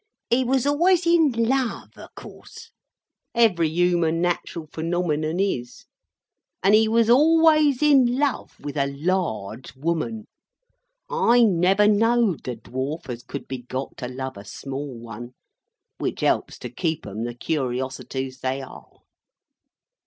He was always in love, of course; every human nat'ral phenomenon is. And he was always in love with a large woman; I never knowed the Dwarf as could be got to love a small one. Which helps to keep 'em the Curiosities they are.